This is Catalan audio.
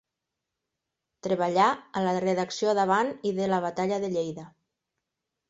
Treballà a la redacció d'Avant i de La Batalla de Lleida.